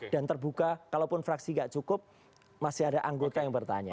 dan terbuka kalaupun fraksi gak cukup masih ada anggota yang bertanya